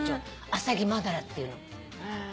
アサギマダラっていうの。